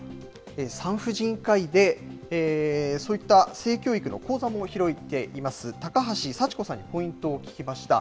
産婦人科医で、そういった性教育の講座も開いています、高橋幸子さんにポイントに聞きました。